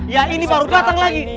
ya ini baru datang lagi